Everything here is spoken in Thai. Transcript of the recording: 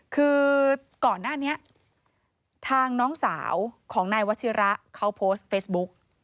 คือก่อนหน้านี้ทางน้องสาวของนายวัชิระเขาโพสต์เฟซบุ๊ก